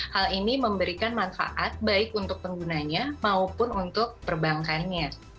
hal ini memberikan manfaat baik untuk penggunanya maupun untuk perbankannya